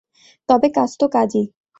তবে কাজতো কাজই।